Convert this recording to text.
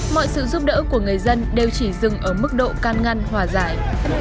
mọi sự giúp đỡ của người dân đều chỉ dừng ở mức độ can ngăn hòa giải